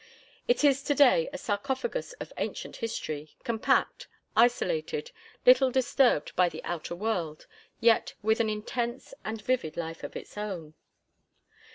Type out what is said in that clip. It is to day a sarcophagus of ancient history, compact, isolated, little disturbed by the outer world, yet with an intense and vivid life of its own.